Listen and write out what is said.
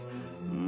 うん。